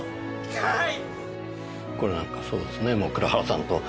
はい。